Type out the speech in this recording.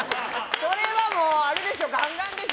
それはもうあるでしょ！